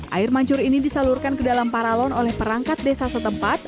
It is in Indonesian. air mancur ini disalurkan ke dalam paralon oleh perangkat desa setempat